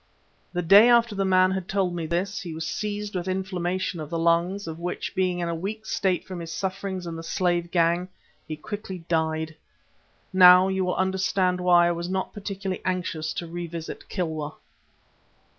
The day after the man had told me this, he was seized with inflammation of the lungs, of which, being in a weak state from his sufferings in the slave gang, he quickly died. Now you will understand why I was not particularly anxious to revisit Kilwa."